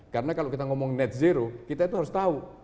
karena kalau kita ngomong net zero kita itu harus tahu